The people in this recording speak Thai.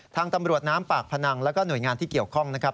ทางตำรวจน้ำปากพนังแล้วก็หน่วยงานที่เกี่ยวข้องนะครับ